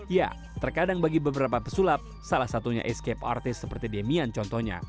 ya terkadang bagi beberapa pesulap salah satunya escape artis seperti demian contohnya